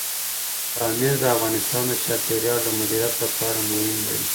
پامیر د افغانستان د چاپیریال د مدیریت لپاره مهم دي.